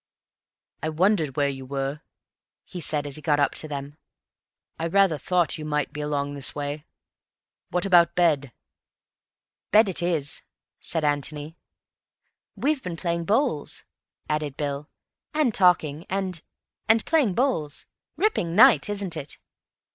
"I wondered where you were," he said, as he got up to them. "I rather thought you might be along this way. What about bed?" "Bed it is," said Antony. "We've been playing bowls," added Bill, "and talking, and—and playing bowls. Ripping night, isn't it?"